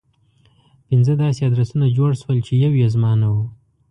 پنځه داسې ادرسونه جوړ شول چې يو يې زما نه و.